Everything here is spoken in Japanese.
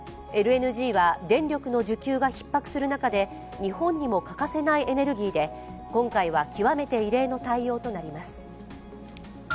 ＬＮＧは電力の需給がひっ迫する中で日本にも欠かせないエネルギーで今回は極めて異例の対応となります。